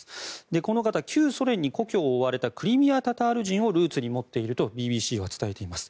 この方、旧ソ連に故郷を追われたクリミア・タタール人をルーツに持っているとＢＢＣは伝えています。